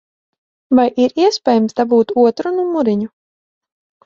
Vai ir iespējams dabūt otru numuriņu?